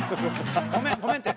ごめんごめんって！